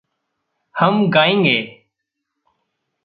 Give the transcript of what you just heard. हम गाएंगे।